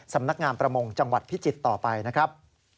สำนักงานประมงจังหวัดพิจิตรต่อไปนะครับ